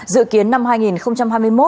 dự kiến năm hai nghìn hai mươi một